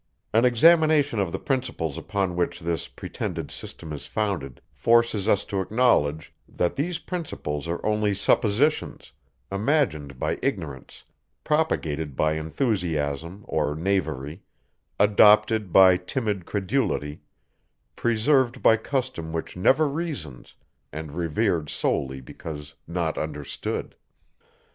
An examination of the principles upon which this pretended system is founded, forces us to acknowledge, that these principles are only suppositions, imagined by ignorance, propagated by enthusiasm or knavery, adopted by timid credulity, preserved by custom which never reasons, and revered solely because not understood.